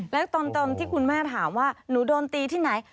แล้วตอนที่คุณแม่ถามว่าหนูโดนตีที่ไหน